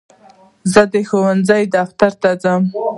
زه د ښوونځي دفتر ته ځم.